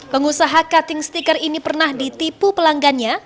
pengusaha cutting stiker ini pernah ditipu pelanggannya